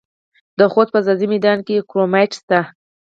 د خوست په ځاځي میدان کې کرومایټ شته.